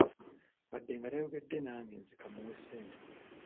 Wadde tayogedde nange, nze ka muwe ssente.